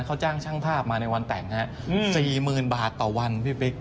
ค่าช่างภาพในงาน